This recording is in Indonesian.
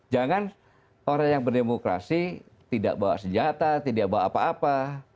jangan orang yang berdemokrasi tidak bawa senjata tidak bawa apa apa